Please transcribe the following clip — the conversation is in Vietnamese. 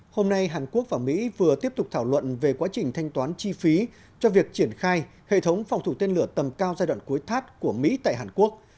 hôm nay hàn quốc và mỹ vừa tiếp tục thảo luận về quá trình thanh toán chi phí cho việc triển khai hệ thống phòng thủ tên lửa tầm cao giai đoạn cuối thắt của mỹ tại hàn quốc